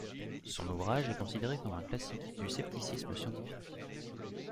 Son ouvrage est considéré comme un classique du scepticisme scientifique.